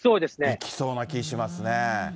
いきそうな気、しますね。